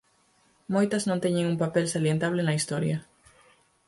Moitas non teñen un papel salientable na historia.